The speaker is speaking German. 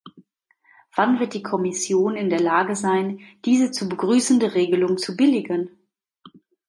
Wann wird die Kommission in der Lage sein, diese zu begrüßende Regelung zu billigen?